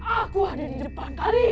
aku ada di depan kalian